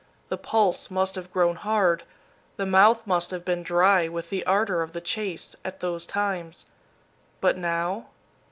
The pulse must have grown hard, the mouth must have been dry with the ardor of the chase, at those times. But now?